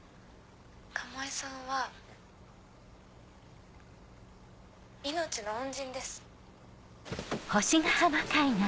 鴨居さんは命の恩人です。